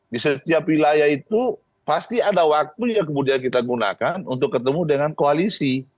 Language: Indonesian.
di setiap wilayah itu pasti ada waktu yang kemudian kita gunakan untuk ketemu dengan koalisi